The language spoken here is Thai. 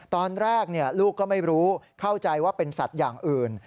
ตอนแรกลูกก็ไม่รู้เข้าใจว่าเป็นสัตว์อย่างอื่น